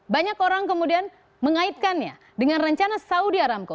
banyak orang kemudian mengaitkannya dengan rencana saudi aramco